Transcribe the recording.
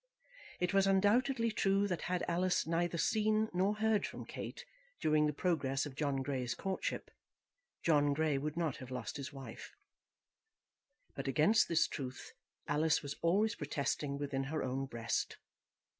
It was undoubtedly true that had Alice neither seen nor heard from Kate during the progress of John Grey's courtship, John Grey would not have lost his wife. But against this truth Alice was always protesting within her own breast.